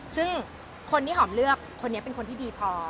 ซึ่งคนที่หอมเลือกคนนี้เป็นคนที่ดีพอ